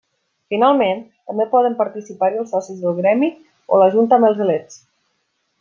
Finalment, també poden participar-hi els socis del gremi o la junta amb els elets.